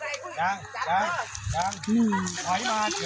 อีกหนึ่งลงหุยอย่าลงไปลึกแล้วนะมันลึก